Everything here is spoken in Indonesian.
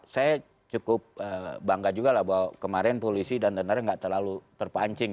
saya cukup bangga juga lah bahwa kemarin polisi dan tni nggak terlalu terpancing